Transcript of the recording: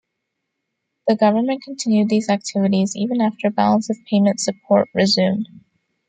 The government continued these activities even after balance-of-payment support resumed.